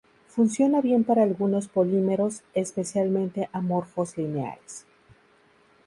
Funciona bien para algunos polímeros, especialmente amorfos lineares.